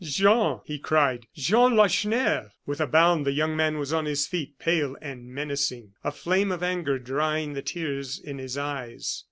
"Jean!" he cried, "Jean Lacheneur!" With a bound the young man was on his feet, pale and menacing; a flame of anger drying the tears in his eyes.